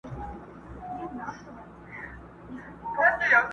چي دي هر گړی زړه وسي په هوا سې٫